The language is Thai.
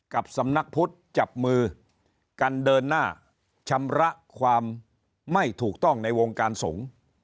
กับสำนักพุทธจับมือกันเดินหน้าชำระความไม่ถูกต้องในวงการสงฆ์